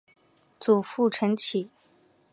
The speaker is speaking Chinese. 祖父陈启。